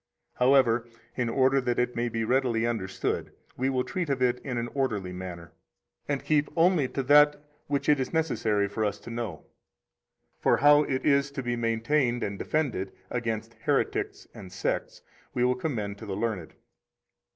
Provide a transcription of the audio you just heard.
However, in order that it may be readily understood, we will treat of it in an orderly manner, and keep only to that which it is necessary for us to know. For how it is to be maintained and defended against heretics and sects we will commend to the learned.